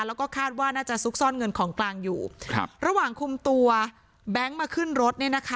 แล้วก็คาดว่าน่าจะซุกซ่อนเงินของกลางอยู่ครับระหว่างคุมตัวแบงค์มาขึ้นรถเนี่ยนะคะ